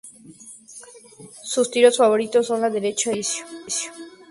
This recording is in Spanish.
Sus tiros favoritos son la derecha y el servicio.